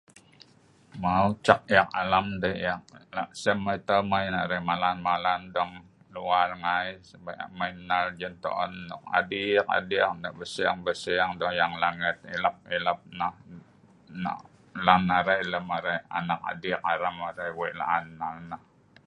Maw, cak ek alam dei ek laksem ai tau mai narai malan-malan dong luar ngai mai nnal jintoon nok adiik-adiik, nok belseng-belseng yang langet nok ilap-ilap nah laen arai lem arai anak ciik alam arai wei laan nnal nah